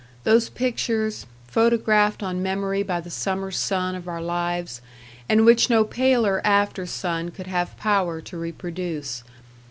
Those pictures, photographed on memory by the summer sun of our lives, and which no paler after sun could have power to reproduce.